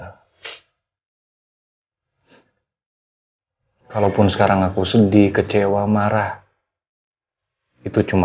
aku harus tetap bekerja darling